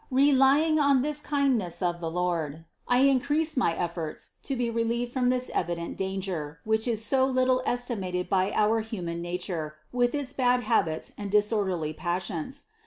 Re lying on this kindness of the Lord, I increased my efforts to be relieved from this evident danger, which is so little estimated by our human nature with its bad habits and disorderly passions.